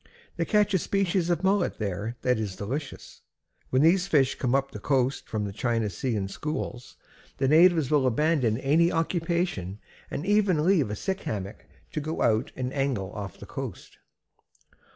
They catch a species of mullet there that is delicious. When these fish come up the coast from the China Sea in schools, the natives will abandon any occupation and even leave a sick hammock to go out and angle off the coast."